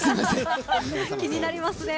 気になりますね。